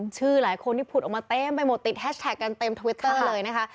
ชื่อหลายคนที่ผุดออกมาเต็มไปหมดติดแฮชแท็กกันเต็มทวิตเตอร์เลยนะคะ